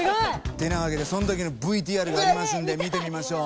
てなわけでそん時のＶＴＲがありますんで見てみましょう。